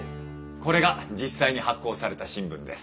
これが実際に発行された新聞です。